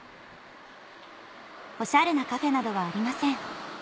オシャレなカフェなどはありません